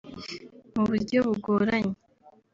Mu buryo bugoranye